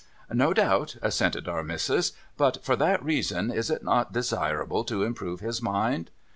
' No doubt,' assented Our Missis. ' But for that reason is it not desirable to improve his mind